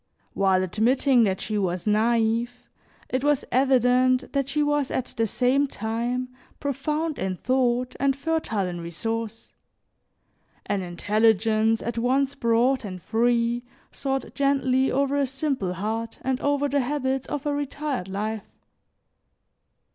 While admitting that she was naive, it was evident that she was at the same time profound in thought and fertile in resource; an intelligence, at once broad and free, soared gently over a simple heart and over the habits of a retired life.